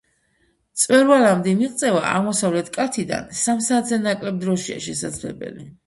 მწვერვალამდე მიღწევა აღმოსავლეთ კალთიდან სამ საათზე ნაკლებ დროშია შესაძლებელი.